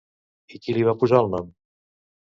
I qui li va posar el nom?